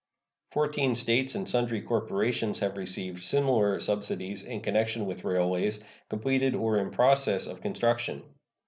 Fourteen States and sundry corporations have received similar subsidies in connection with railways completed or in process of construction.